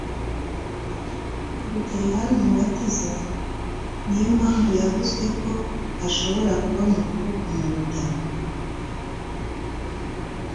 kuruta Yohana umubatiza: ni yo mpamvu yavuzwe ko ashobora kuba mukuru kumuruta.